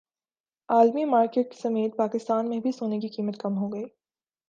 عالمی مارکیٹ سمیت پاکستان میں بھی سونے کی قیمت کم ہوگئی